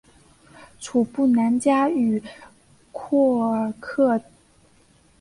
楚布南嘉与廓尔喀的敌人英属印度结为同盟。